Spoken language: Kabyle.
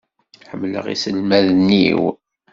Ḥemmleɣ iselmaden-iw.